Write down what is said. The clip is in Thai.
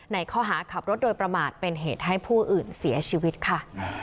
ในข้อหาขับรถโดยประมาทเป็นเหตุให้ผู้อื่นเสียชีวิตค่ะ